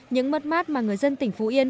những mất mát mà người dân tỉnh phú yên